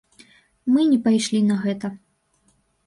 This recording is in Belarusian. Мы не пайшлі на гэта.